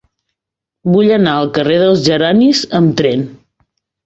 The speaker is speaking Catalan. Vull anar al carrer dels Geranis amb tren.